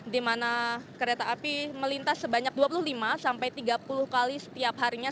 di mana kereta api melintas sebanyak dua puluh lima sampai tiga puluh kali setiap harinya